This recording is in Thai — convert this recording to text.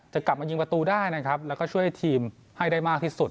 จะกลับมายิงประตูได้นะครับแล้วก็ช่วยทีมให้ได้มากที่สุด